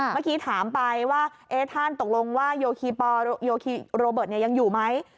เมื่อกี้ถามไปว่าท่านตกลงว่าโรเบิร์ตยังอยู่ไหม